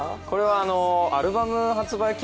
これはアルバム発売